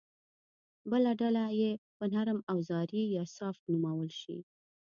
بله ډله یې به نرم اوزاري یا سافټ نومول شي